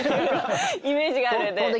イメージがあるんで。